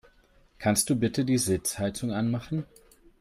Kannst du bitte die Sitzheizung anmachen?